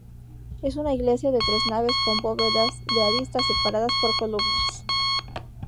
Es una iglesia de tres naves con bóvedas de arista, separadas por columnas.